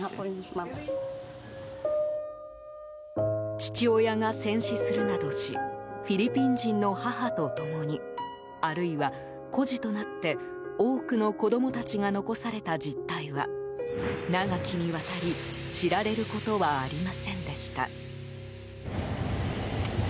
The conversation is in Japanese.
父親が戦死するなどしフィリピン人の母と共にあるいは、孤児となって多くの子供たちが残された実態は長きにわたり、知られることはありませんでした。